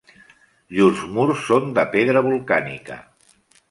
Llurs murs són de pedra volcànica.